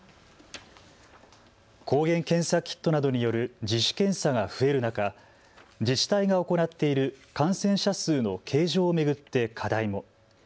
抗原検査キットなどによる自主検査が増える中、自治体が行っている感染者数の計上を巡って課題も。